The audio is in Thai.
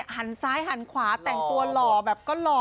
หันซ้ายหันขวาแต่งตัวหล่อแบบก็หล่อ